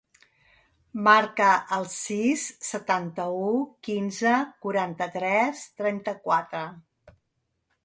Marca el sis, setanta-u, quinze, quaranta-tres, trenta-quatre.